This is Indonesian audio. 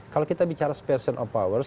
kalau kita bicara spartion of powers